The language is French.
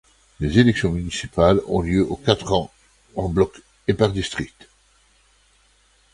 Les élections municipales ont lieu aux quatre ans en bloc et par district.